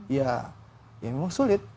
ya memang sulit